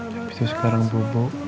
tapi tuh sekarang bubu